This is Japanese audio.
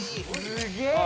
すげえ！